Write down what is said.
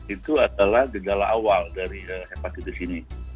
itu adalah gejala awal dari hepatitis ini